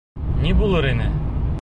Ни булыр ине?